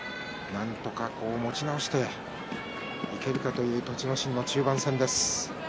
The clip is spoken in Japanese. なんとか持ち直していけるかという栃ノ心、中盤戦です。